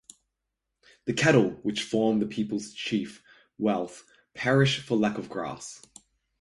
The cattle, which form the people's chief wealth, perish for lack of grass.